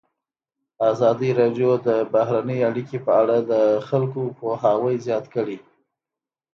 ازادي راډیو د بهرنۍ اړیکې په اړه د خلکو پوهاوی زیات کړی.